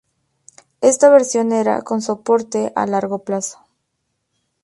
Esta versión era con soporte a largo plazo.